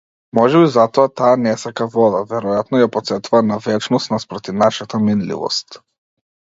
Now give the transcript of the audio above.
Можеби затоа таа не сака вода, веројатно ја потсетува на вечност наспроти нашата минливост.